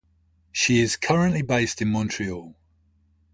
She is currently based in Montreal.